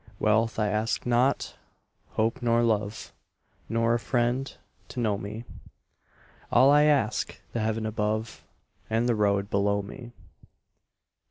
Wealth I ask not, hope nor love, Nor a friend to know me; All I ask, the heaven above And the road below me.